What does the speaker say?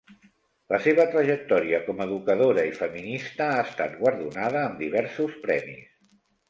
La seva trajectòria com educadora i feminista ha estat guardonada amb diversos premis.